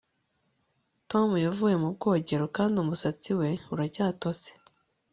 Tom yavuye mu bwogero kandi umusatsi we uracyatose